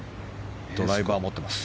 ドライバーを持っています。